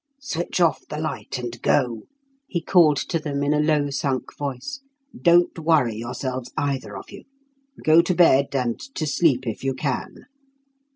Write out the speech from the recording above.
"Switch off the light and go," he called to them in a low sunk voice. "Don't worry yourselves, either of you. Go to bed, and to sleep if you can."